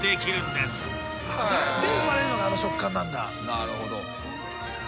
なるほど。